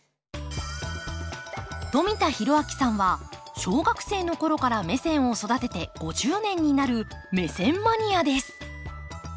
富田裕明さんは小学生の頃からメセンを育てて５０年になるメセンマニアです。